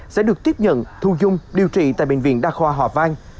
sẽ được tiếp nhận thu dung điều trị tại bệnh viện đa khoa hòa vang